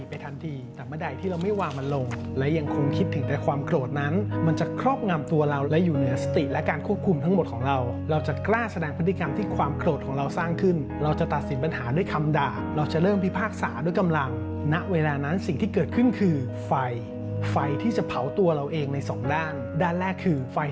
ไปติดตามเรื่องนี้พร้อมกันค่ะ